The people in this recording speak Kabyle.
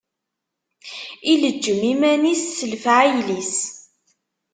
Ileǧǧem iman-is s lefɛayel-is.